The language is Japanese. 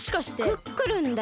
クックルンだよね？